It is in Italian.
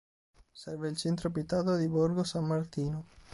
Serve il centro abitato di Borgo San Martino.